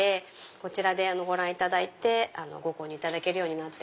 こちらでご覧いただいてご購入いただけるようになって。